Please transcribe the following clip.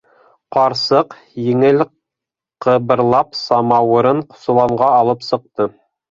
- Ҡарсыҡ, еңел ҡыбырлап, самауырын соланға алып сыҡты.